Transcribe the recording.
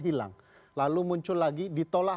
hilang lalu muncul lagi ditolak